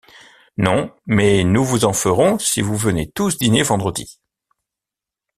Non, mais nous vous en ferons si vous venez tous dîner vendredi.